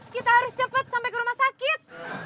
kita harus cepat sampai ke rumah sakit